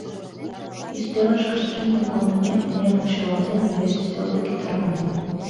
Ӱстелышкышт киндым кондымек, нелын шӱлалтен, вес ӱстел деке тарванен.